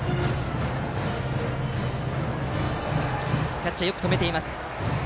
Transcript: キャッチャーがよく止めています。